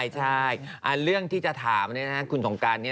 ใช่เรื่องที่จะถามเนี่ยนะคุณสงการเนี่ย